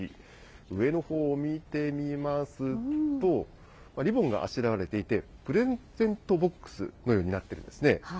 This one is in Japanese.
上のほうを見てみますと、リボンがあしらわれていて、プレゼントボックスのようになっているんですね。